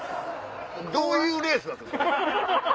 どういうレースだそれ。